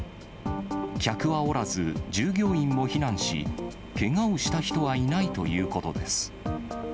客はおらず、従業員も避難し、けがをした人はいないということです。